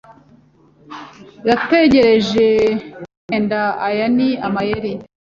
Yatekereje wenda aya ni amayeri.